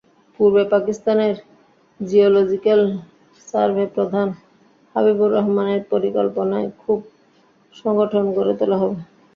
পূর্ব পাকিস্তানের জিওলজিক্যাল সার্ভেপ্রধান হাবিবুর রহমানের পরিকল্পনায় যুব সংগঠন গড়ে তোলা হলো।